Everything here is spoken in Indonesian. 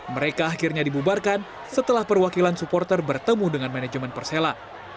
mereka akhirnya dibubarkan setelah perwakilan supporter bertemu dengan manajemen persela